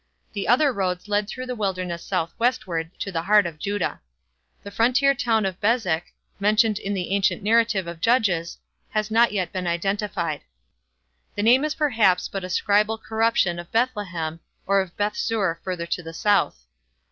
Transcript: The other roads led through the wilderness southwestward to the heart of Judah. The frontier town of Bezek, mentioned in the ancient narrative of Judges, has not yet been identified. The name is perhaps but a scribal corruption of Bethlehem or of Bethzur further to the south.